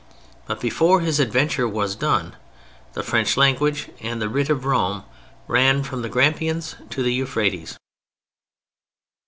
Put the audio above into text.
But before his adventure was done the French language and the writ of Rome ran from the Grampians to the Euphrates.